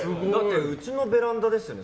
うちのベランダですよね？